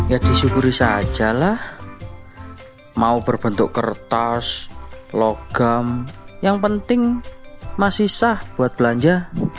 ya disyukuri saja lah mau berbentuk kertas logam yang penting masih sah buat belanja